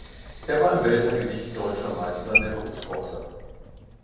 Er war im Weltergewicht deutscher Meister der Berufsboxer.